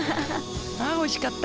あおいしかった。